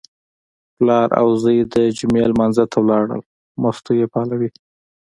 پلار او زوی د جمعې لمانځه ته لاړل، مستو یې پالوې.